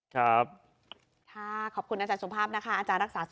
ครับ